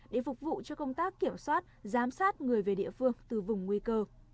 để phục vụ cho công tác kiểm soát giám sát người về địa phương từ vùng nguy cơ